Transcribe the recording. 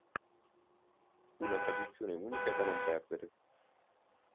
Una tradizione unica e da non perdere.